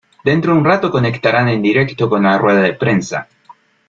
Dentro de un rato conectarán en directo con la rueda de prensa.